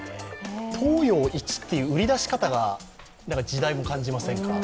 東洋一っていう売り出し方が、時代も感じませんか？